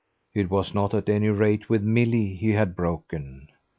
It was not at any rate with Milly he had broken.